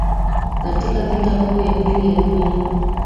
katika Vita Kuu ya Pili ya Dunia